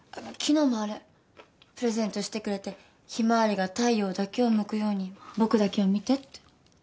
昨日もあれプレゼントしてくれてヒマワリが太陽だけを向くように僕だけを見てって。